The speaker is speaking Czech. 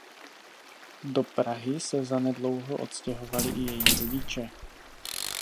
Do Prahy se zanedlouho odstěhovali i její rodiče.